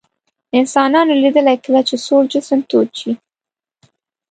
انسانانو لیدلي کله چې سوړ جسم تود شي.